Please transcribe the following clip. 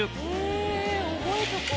へぇ覚えとこう。